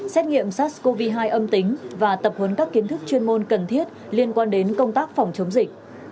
xét nghiệm sars cov hai âm tính và tập huấn các kiến thức chuyên môn cần thiết liên quan đến công tác phòng chống dịch